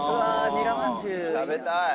「食べたい」